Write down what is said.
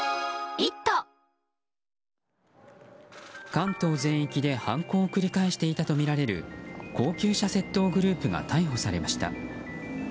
関東全域で犯行を繰り返していたとみられる高級車窃盗グループが逮捕されました。